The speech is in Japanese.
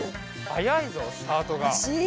はやいぞスタートが。